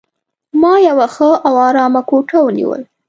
ما یوه ښه او آرامه کوټه ونیول.